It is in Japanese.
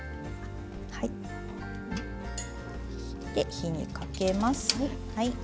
火にかけます。